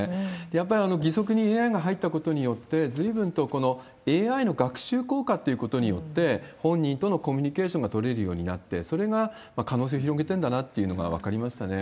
やっぱり義足にＡＩが入ったことによって、ずいぶんとＡＩの学習効果ってことによって、本人とのコミュニケーションが取れるようになって、それが可能性を広げてんだなっていうのが分かりましたね。